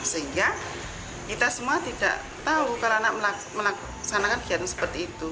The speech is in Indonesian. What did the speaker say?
sehingga kita semua tidak tahu kalau anak melaksanakan kegiatan seperti itu